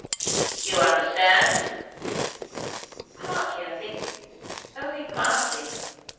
'" "You understand?" "Partly; I think, only partly."